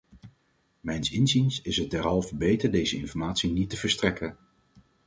Mijns inziens is het derhalve beter deze informatie niet te verstrekken.